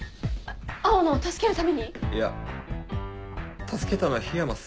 青野を助けるために⁉いや助けたのは緋山っす。